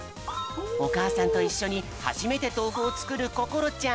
おかあさんといっしょにはじめてとうふをつくるこころちゃん。